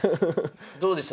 どうでした？